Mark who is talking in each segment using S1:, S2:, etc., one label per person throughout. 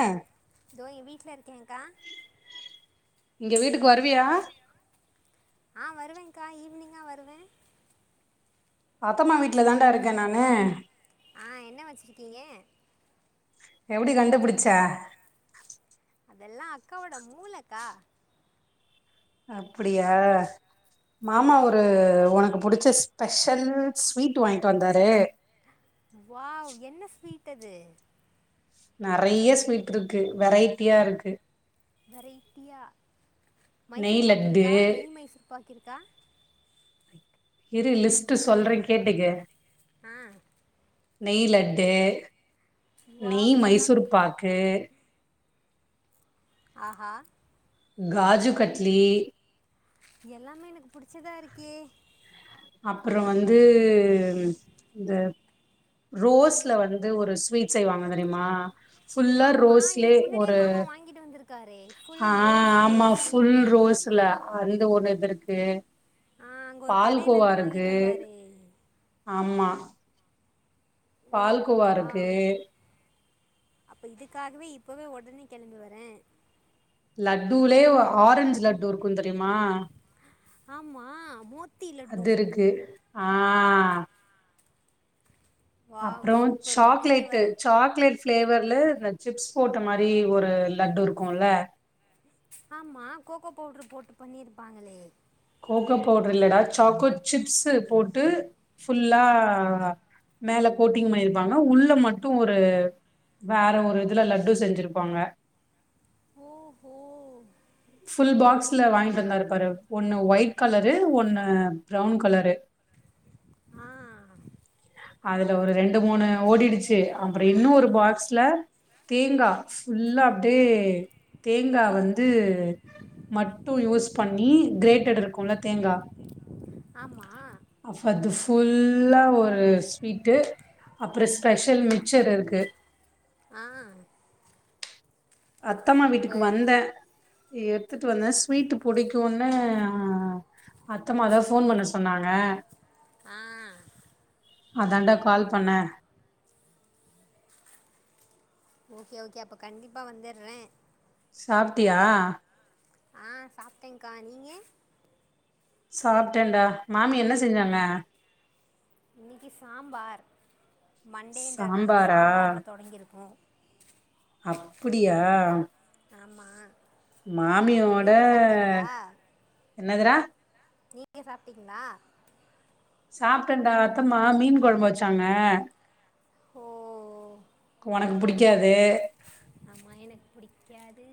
S1: ஆ
S2: தோ எ வீட்ல இருக்கேங்க்கா
S1: இங்க வீட்டுக்கு வருவியா
S2: ஆ வருவேங்க்கா ஈவினிங்கா வருவே
S1: அத்தமா வீட்ல தான்டா இருக்கே நானு
S2: ஆ என்ன வச்சுருக்கீங்க
S1: எப்புடி கண்டுபுடுச்ச
S2: அதெல்லா அக்காவோட மூளக்கா
S1: அப்டியா மாமா ஒரு ஒனக்கு புடுச்ச ஸ்பெஷல் ஸ்வீட் வாங்கிட்டு வந்தாரு
S2: வாவ் என்ன ஸ்வீட் அது
S1: நறைய ஸ்வீட் இருக்கு வெரைட்டியா இருக்கு
S2: வெரைட்டியா
S1: நெய்
S2: மைசூர் பாக்
S1: லட்டு
S2: இருக்கா நெய் மைசூர் பாக் இருக்கா
S1: இரு லிஸ்ட்டு சொல்றே கேட்டுக்க
S2: ஆ
S1: நெய் லட்டு நெய்
S2: வாவ்
S1: மைசூர்
S2: எல்லாமே
S1: பாக்கு
S2: ஆஹா
S1: காஜு கட்லி
S2: எல்லாமே எனக்கு புடிச்சதா இருக்கே
S1: அப்றோ வந்து இந்த ரோஸ்ல வந்து ஒரு ஸ்வீட் செய்வாங்க தெரியுமா ஃபுல்லா
S2: ஆமாம்
S1: ரோஸ்லே
S2: இதுக்கு முன்னாடியே
S1: ஒரு
S2: மாமா வாங்கிட்டு வந்திருக்காரு ஃபுல்
S1: ஆ
S2: ரோஸில்
S1: ஆமா
S2: ஒரு
S1: ஃபுல்
S2: ஸ்வீட்டு
S1: ரோஸ்ல அந்த ஒண்ணு இது இருக்கு
S2: ஆ அங்க ஒரு கடைல
S1: பா இருக்கு ஆமா
S2: ஓ
S1: பால்கோவா இருக்கு
S2: வாவ் அப்ப இதுக்காகவே இப்பவே ஒடனே கெளம்பி வரே
S1: லட்டுலே ஆரஞ்சு லட்டு இருக்கும் தெரியுமா
S2: ஆமா மோத்தி லட்டு
S1: அது இருக்கு ஆ
S2: வாவ்
S1: அப்றோ
S2: சூப்பர் உடனே
S1: சாக்லேட்டு
S2: வரேன்
S1: சாக்லேட் ஃப்ளேவர்ல் இந்த சிப்ஸ் போட்ட மாரி ஒரு லட்டு இருக்குல்ல
S2: ஆமா கோகோ பவுட்ரு போட்டு பண்ணியிருப்பாங்களே
S1: கோகோ பவுடர் இல்லடா சாக்கோ சிப்ஸு போட்டு ஃபுல்லா மேல கோட்டிங் பண்ணிருப்பாங்க உள்ள மட்டு ஒரு வேற ஒரு இதுல லட்டு செஞ்சிருப்பாங்க
S2: ஓஹோ
S1: ஃபுல் பாக்ஸ்ல வாங்கிட் வந்தாரு பாரு ஒண்ணு ஒயிட் கலரு ஒண்ணு ப்ரௌன் கலரு
S2: ஆ
S1: அதுல ஒரு ரெண்டு மூணு ஓடிடுச்சி அப்றோ இன்னொரு பாக்ஸ்ல தேங்கா ஃபுல்லா அப்டியே தேங்கா வந்து மட்டு யூஸ் பண்ணி கிரேட்டட் இருக்குல்ல தேங்கா
S2: ஆமா
S1: அப்ப அது ஃபுல்லா ஒரு ஸ்வீட்டு அப்ற ஸ்பெஷல் மிச்சர் இருக்கு
S2: ஆ
S1: அத்தம்மா வீட்டுக்கு
S2: சூப்பர்
S1: வந்தே எடுத்துட் வந்தே ஸ்வீட் புடிக்கூனு அத்தமாதா ஃபோன் பண்ண சொன்னாங்க
S2: ஆ
S1: அதாண்டா கால் பண்ணே
S2: ஓகே ஓகே அப்ப கண்டிப்பா வந்துற்றே
S1: சாப்ட்டியா
S2: சாப்ட்டேங்கா நீங்க
S1: சாப்ட்டேன்டா மாமி என்ன செஞ்சாங்க
S2: இன்னைக்கி சாம்பார் மண்டேன்றனால
S1: சாம்பாரா
S2: சாம்பார்ல தொடங்கியிருக்கு
S1: அப்புடியா
S2: ஆமா
S1: மாமியோட என்னதுடா
S2: நீங்க சாப்ட்டீங்ளா
S1: சாப்ட்டேன்டா அத்தம்மா மீன் கொழம்பு வச்சாங்க
S2: ஓ
S1: ஒனக்கு புடிக்காது
S2: ஆமா எனக்கு புடிக்காது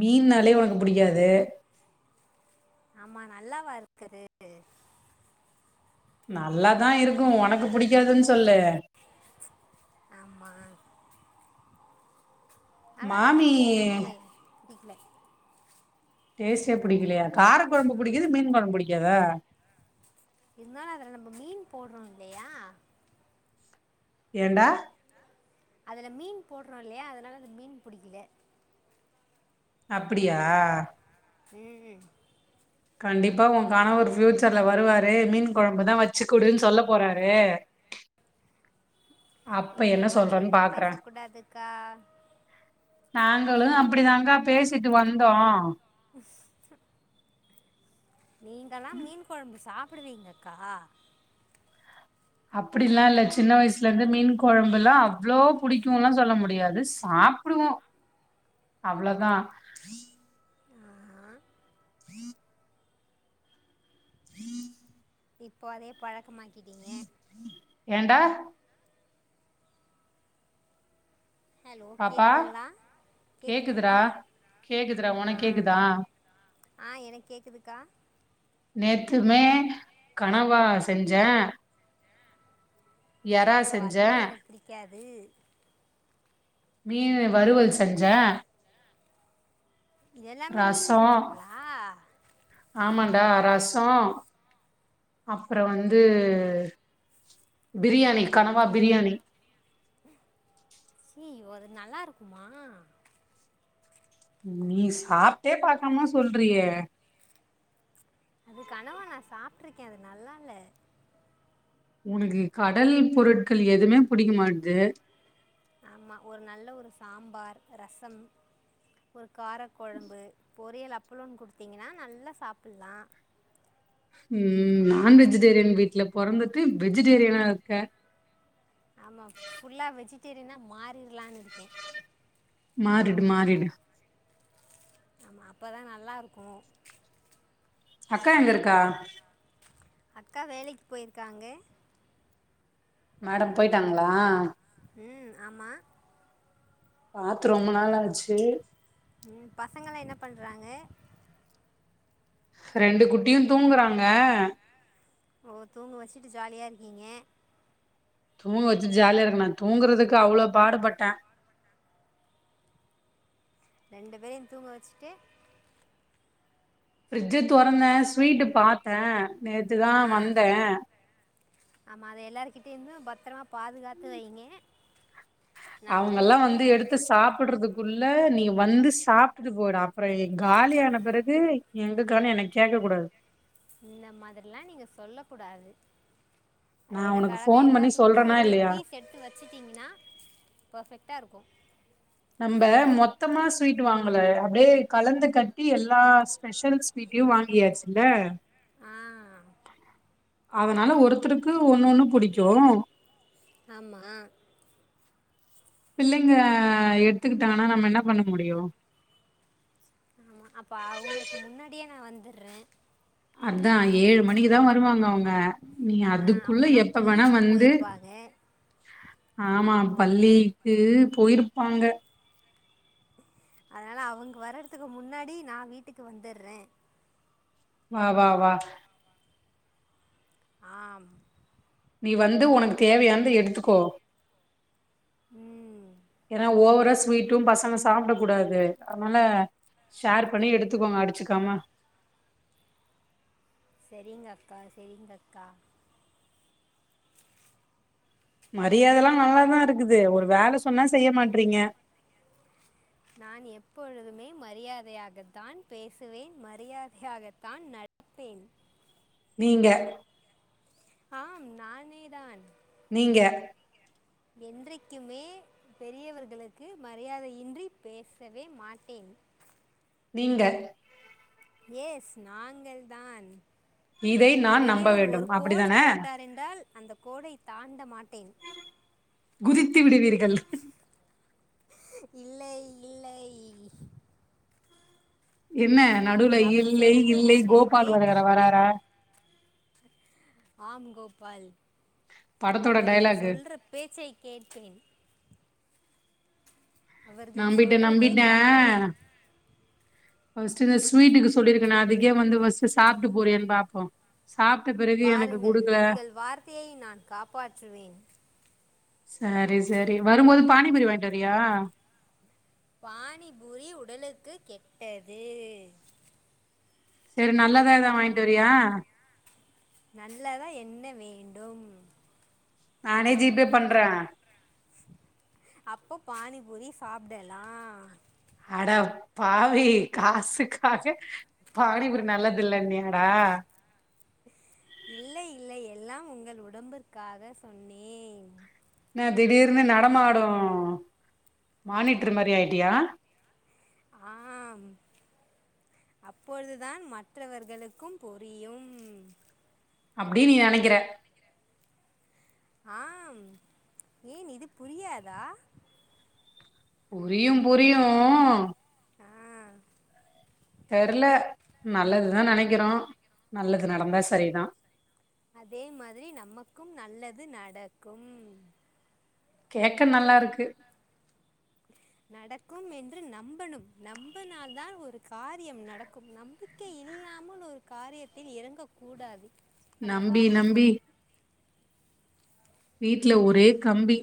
S1: மீன்னாலே ஒனக் புடிக்காது
S2: ஆமா நல்லாவா இருக்குது
S1: நல்லாதா இருக்கும் ஒனக்கு புடிக்காதுன் சொல்லு
S2: ஆமா நல்லா இல்ல அந்த
S1: மாமி
S2: டேஸ்ட்டே புடிக்கல
S1: டேஸ்ட்டே புடிக்கலையா கார கொழம்பு புடிக்குது மீன் கொழம்பு புடிக்காதா
S2: இருந்தாலு அதுல நம்ப மீன் போடுறோ இல்லையா
S1: ஏன்டா
S2: அதுல மீன் போடுறோ இல்லையா அதனால அந்த மீன் புடிக்கல
S1: அப்படியா
S2: ம்
S1: கண்டிப்பா ஒ கணவர் ஃபியூச்சர்ல வருவாரு மீன் கொழம்புதா வச்சுக்குடுன் சொல்ல போறாரு [inaudible] அப்ப
S2: இந்த
S1: என்ன சொல்றன்னு
S2: மாத்ரில்லா
S1: பாக்குறே
S2: பேசக் கூடாதுக்கா
S1: நாங்களு அப்டி தாங்கா பேசிட்டு வந்தோ
S2: ஸ் நீங்களா மீன் கொழம்பு சாப்டுவீங்கக்கா
S1: அப்படில்லா இல்ல சின்ன வயசுல இருந்தே மீன் கொழம்பு எல்லா அவ்ளோ புடிக்குலா சொல்ல முடியாது சாப்டுவோ அவ்ளோ தா
S2: ஆஹா, இப்போ அதே பழக்கமாக்கிட்டீங்க
S1: ஏன்டா
S2: ஹலோ
S1: பாப்பா
S2: கேக்குதுங்களா கேக்குதுங்களா
S1: கேக்குதுடா கேக்குதுடா
S2: ஆ
S1: உனக்கு கேக்குதா
S2: ஆ எனக்கு கேக்குதுக்கா
S1: நேத்துமே கனவா செஞ்சே எறா
S2: ஐய்யய்யோ
S1: செஞ்சே
S2: அதுவு எனக்கு புடிக்காது
S1: மீன்னு வறுவல் செஞ்சே
S2: இது எல்லாமே நீங்க செஞ்சீங்களா
S1: ஆமான்டா ரசோ அப்புறோ வந்து பிரியாணி கனவா பிரியாணி
S2: ச்சீயோ அது நல்லா இருக்குமா
S1: நீ சாப்ட்டே பாக்காம சொல்றீயே
S2: அது கனவா நா சாப்ட்டுருக்கே அது நல்லால்ல
S1: ஒனக்கு கடல் பொருட்கள் எதுமே பிடிக்க மாட்டுது
S2: ஆமாம் ஒரு நல்ல ஒரு சாம்பார் ரசம் ஒரு காரக் கொழம்பு பொறியல் அப்பளோன்னு குடுத்தீங்கன்னா நல்லா சாப்பட்லா
S1: ம் நான் வெஜிடேரியன் வீட்ல பொறந்துட்டு வெஜிடேரியனா இருக்க
S2: ஆமா ஃபுல்லா வெஜிடேரியனா மாரிற்லான் இருக்கே
S1: மாறிடு மாறிடு
S2: ஆமா அப்ப தா நல்லாருக்கு
S1: அக்கா எங்க இருக்கா
S2: அக்கா வேலைக்கு போய்ருக்காங்க
S1: மேடம் போய்ட்டாங்களா
S2: ம் ஆமா
S1: பாத்து ரொம்ப நாள் ஆச்சு
S2: ம் பசங்கலா என்ன பண்றாங்க
S1: ரெண்டு குட்டியு தூங்கறாங்க
S2: ஓ தூங்க வெச்சுட்டு ஜாலியா இருக்கீங்க
S1: தூங்க வெச்சுட் ஜாலியா இருக்கனா தூங்குறதுக்கு அவ்ளோ பாடுபட்ட
S2: ரெண்டு பேரையு தூங்க வெச்சுட்டு
S1: ஃப்ரிட்ஜ்ஜு தொறந்த ஸ்வீட்டு பாத்தே நேத்து தா வந்த
S2: ஆமா அத எல்லாருக்கிட்டையு இருந்து பத்தரமா பாதுகாத்து வைங்க நான் வந்த
S1: அவுங்கெல்லா
S2: உடனே
S1: வந்து எடுத் து சாப்ட்றதுக்குள்ள நீ வந்து சாப்ட்டு போய்டு அப்பறோ காலியான பெறகு எங்கக்கான் என்ன கேக்க கூடாது
S2: இந்த மாதிரிலா நீங்க சொல்ல கூடாது
S1: நா
S2: எனக்
S1: உனக்கு
S2: அழகா
S1: ஃபோன் பண்ணி
S2: எல்லாத்துலருந்து
S1: சொல்றனா
S2: ஒரு ஒரு
S1: இல்லையா
S2: பீஸ் எடுத்து வெச்சுட்டீங்கன்னா பெர்ஃபெக்ட்டா இருக்கு
S1: நம்ப மொத்தமா ஸ்வீட் வாங்கல அப்டியே கலந்து கட்டி எல்லா ஸ்பெஷல் ஸ் வீட்டையு வாங்கியாச்சுல
S2: ஆ
S1: அதனால ஒருத்தருக்கு ஒன்னு ஒன்னு புடிக்கு
S2: ஆமா
S1: பிள்ளைங்க எடுத்துக்கிட்டாங்கன்னா நம்ம என்ன பண்ண முடியு
S2: ஆமா அப்போ அவுங்களுக்கு முன்னாடியே நா வந்துட்ற
S1: அதா ஏழு மணிக்கு தா வருவாங்க அவுங்க நீ
S2: ஆ,
S1: அதுக்குள்ள
S2: அவங்கெல்லாம்
S1: எப்ப வேணா
S2: பள்ளிக்கு
S1: வந்து
S2: போயிருப்பாங்க
S1: ஆமா பள்ளிக்கு போய்ருப்பாங்க
S2: அதனால அவங்க வர்றதுக்கு முன்னாடி நா வீட்டுக்கு வந்துர்ற
S1: வா வா வா
S2: ஆம்
S1: நீ வந்து உனக்கு தேவையானது எடுத்துக்கோ
S2: ம்
S1: ஏன்னா ஓவரா ஸ்வீட்டு பசங்க சாப்ட கூடாது அதனால ஷேர் பண்ணி எடுத்துக்கோங்க அடிச்சுக்காம
S2: செரிங்கக்கா செரிங்கக்கா
S1: மரியாதலா நல்லாதா இருக்குது ஒரு வேல சொன்னா செய்ய மாட்றீங்க
S2: நான் எப்பொழுதுமே மரியாதையாகத்தான் பேசுவேன் மரியாதையாகத்தான் நட ப்பேன்
S1: நீங்க
S2: ஆம் நானேதான்
S1: நீங்க
S2: என்றைக்குமே பெரியவர்களுக்கு மரியாதையின்றி பேசவே மாட்டேன்
S1: நீங்க
S2: எஸ் நாங்கள் தான்
S1: இதை நான் நம்ப
S2: பெரியவர்
S1: வேண்டும்
S2: ஒரு கோடு
S1: அப்டிதான
S2: போட்டார் என்றால் அந்தக் கோடை‌ தாண்ட மாட்டேன்
S1: குதித்துவிடுவீர்கள்
S2: இல்லை இல்லை
S1: என்ன நடுவ்ல
S2: அவர்
S1: இல்லை
S2: சொல்
S1: இல்லை
S2: பேச்சு
S1: கோபால்
S2: கேட்டு
S1: வருற வராறா
S2: ஆம் கோபால்
S1: படத்தோட
S2: அவர்கள்
S1: டைலாக்கு
S2: சொல்ற பேச்சை கேட்டேன் அவர்கள்
S1: நம்பிட்டே
S2: சொல்கிறதே
S1: நம்பிட்டே
S2: கட்டளை
S1: ஃபஸ்ட் இந்த ஸ்வீட்டுக்கு செல்லிருக்கனேஅதுக்கே வந்து ஃவஸ்ட்டு சாப்ட்டு போறியான் பாப்போ சாப்ட்ட பிறகு எனக்கு குடுக்ல
S2: தை நான் காப்பாற்றுவேன்
S1: சரி செரி வரும் போது பானிபூரி வாய்ன்ட்வரியா
S2: பானி பூரி உடலுக்கு கெட்டது
S1: செரி நல்லதா எதனா வாய்ன்டு வரியா
S2: நல்லதா என்ன வேண்டும்
S1: நானே ஜிபே பண்ற
S2: அப்போ பானிபூரி சாப்டலா
S1: அடப்பாவி காசுக்காக பானிபூரி நல்லதில்லன்யாடா
S2: இல்லை இல்லை எல்லாம் உங்கள் உடம்பிற்காக சொன்னேன்
S1: ன்ன திடீர்னு நடமாடு மானிட்ருமாரி ஆய்ட்டியா
S2: ஆம் அப்பொழுதுதான் மற்றவர்களுக்கும் புரியும்
S1: அப்டி நீ நெனைக்கிற
S2: ஆம் ஏன் இது புரியாதா
S1: புரியும் புரியு
S2: ஆ
S1: தெரல நல்லது தா நெனைக்கிறோ நல்லது நடந்தா சரி தா
S2: அதே மாதிரி நமக்கும் நல்லது நடக்கும்
S1: கேக்க நல்லா இருக்கு
S2: நடக்கும் என்று நம்பணும் நம்பனால்தான் ஒரு காரியம் நடக்கும் நம்பிக் கை இல்லாமல் ஒரு காரியத்தில் இறங்க கூடாது
S1: நம்பி நம்பி வீட்ல ஒரே கம்பி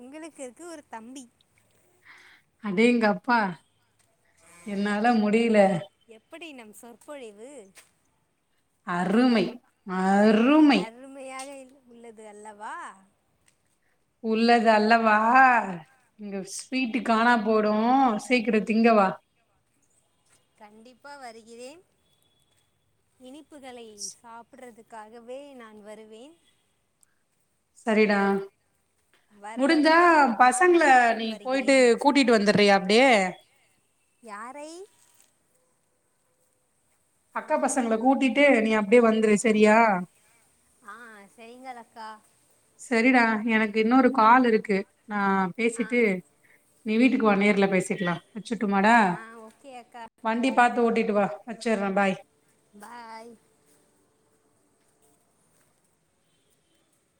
S2: உங்களுக்கு இருக்கு ஒரு தம்பி
S1: அடேங்கப்பா என்னால முடியில
S2: எப்படி நம் சொற்பொழிவு
S1: அருமை அருமை
S2: அருமையாக இல் உள்ளது அல்லவா
S1: உள்ளது அல்லவா இங்க ஸ்வீட்டு காணா போய்டு சீக்கிர திங்கவா
S2: கண்டிப்பா வருகிறேன் இனிப்புகளை சாப்பிடறதுக் காகவே நான் வருவேன்
S1: சரிடா
S2: வர
S1: முடிஞ்சா
S2: வழியில் உங்களுக்கு
S1: பசங்கள
S2: பானிபூரியுடன்
S1: நீ போய்ட்டு
S2: வருகிறேன்
S1: கூட் டிட்டு வந்துட்றியா அப்டே
S2: யாரை?
S1: அக்கா பசங்கள கூட்டிட்டு நீ அப்டியே வந்துரு செரியா.
S2: ஆ செரிங்கள் அக்கா.
S1: செரிடா எனக்கு இன்னொரு கால் இருக்கு நா
S2: ஆ
S1: பேசிட்டு நீ வீட்டுக்கு வா நேர்ல பேசிக்கலா. வெச்சுர்ட்டுமாடா?
S2: ஆ ஓகே அக்கா
S1: வண்டிய பாத்து ஓட்டிட்டு வா வெச்சர்றே பாய்.
S2: பாய்.